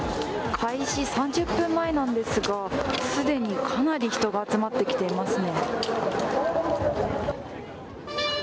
開始３０分前なんですがすでに、かなり人が集まってきていますね。